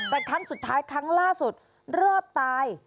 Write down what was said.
แต่ครั้งสุดท้ายครั้งล่าสุดรอดตาย